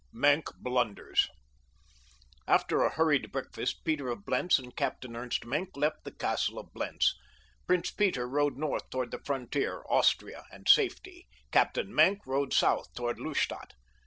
MAENCK BLUNDERS After a hurried breakfast Peter of Blentz and Captain Ernst Maenck left the castle of Blentz. Prince Peter rode north toward the frontier, Austria, and safety, Captain Maenck rode south toward Lustadt.